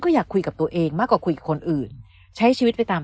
ก็อยากคุยกับตัวเองมากกว่าคุยกับคนอื่นใช้ชีวิตไปตาม